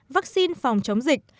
vaccine phòng chống dịch